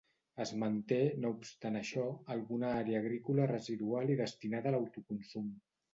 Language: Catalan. Es manté, no obstant això, alguna àrea agrícola residual i destinada a l'autoconsum.